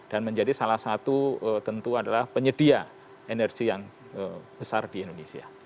dan menjadi salah satu tentu adalah penyedia energi yang besar di indonesia